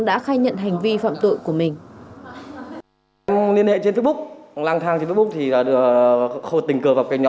đã khai nhận hành vi phạm tội của mình